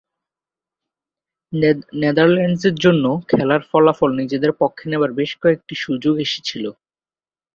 নেদারল্যান্ডসের জন্য খেলার ফলাফল নিজেদের পক্ষে নেবার বেশ কয়েকটি সুযোগ এসেছিলো।